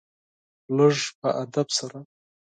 لږ په ادب سره .